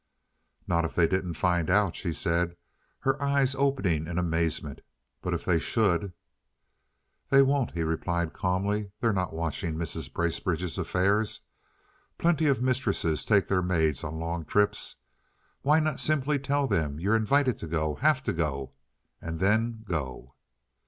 "Not if they didn't find out," she said, her eyes opening in amazement. "But if they should!" "They won't," he replied calmly. "They're not watching Mrs. Bracebridge's affairs. Plenty of mistresses take their maids on long trips. Why not simply tell them you're invited to go—have to go—and then go?"